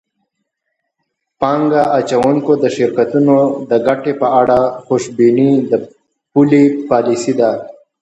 پانګه اچوونکو د شرکتونو د ګټې په اړه خوشبیني د پولي پالیسۍ